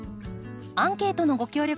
アンケートのご協力